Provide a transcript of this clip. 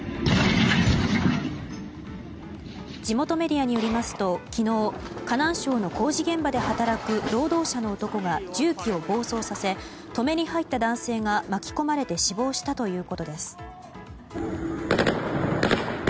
地元メディアによりますと昨日、河南省の工事現場で働く労働者の男が重機を暴走させ止めに入った男性が巻き込まれて死亡したということです。